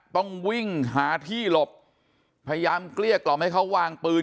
ต้องวิ่งหาที่หลบพยายามเกลี้ยกล่อมให้เขาวางปืน